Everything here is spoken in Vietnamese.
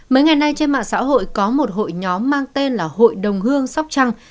mấy ngày nay trên mạng xã hội có một hội nhóm mang tên là hội đồng hương sóc trăng